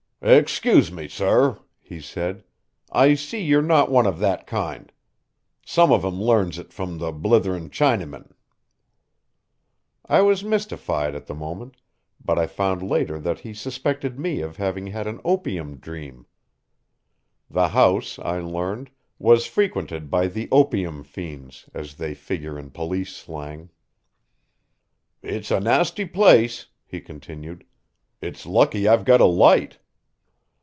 "Excuse me, sor," he said. "I see you're not one of that kind. Some of 'em learns it from the blitherin' Chaneymen." I was mystified at the moment, but I found later that he suspected me of having had an opium dream. The house, I learned, was frequented by the "opium fiends," as they figure in police slang. "It's a nasty place," he continued. "It's lucky I've got a light."